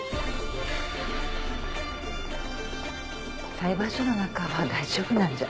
裁判所の中は大丈夫なんじゃ。